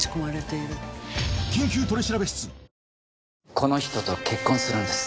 この人と結婚するんです。